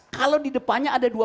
kalau di depannya ada dua